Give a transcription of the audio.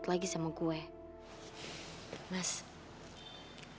tidak ada masalah nentik sesutuku